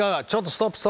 ストップ！